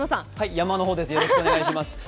山の方です、よろしくお願いします。